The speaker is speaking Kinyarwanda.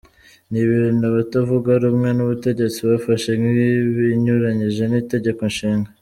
Ni ibintu abatavuga rumwe n’ubutegetsi bafashe nk’ibinyuranyije n’Itegeko Nshinga.